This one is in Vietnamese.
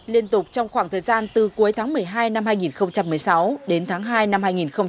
liên tục trong khoảng thời gian từ cuối tháng một mươi hai năm hai nghìn một mươi sáu đến tháng hai năm hai nghìn hai mươi